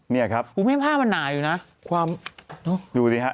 เนี่ยครับคุณแม่ผ้ามันหนาอยู่นะความดูสิฮะ